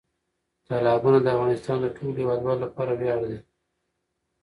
تالابونه د افغانستان د ټولو هیوادوالو لپاره ویاړ دی.